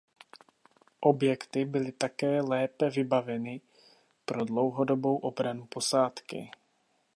Objekty byly také lépe vybaveny pro dlouhodobou obranu posádky.